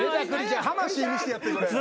魂見してやってくれ。